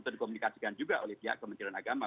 atau dikomunikasikan juga oleh pihak kementerian agama